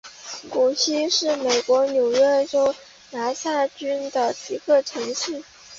谷溪是美国纽约州拿骚郡的一个城市。